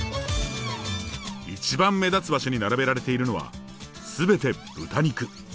一番目立つ場所に並べられているのはすべて豚肉。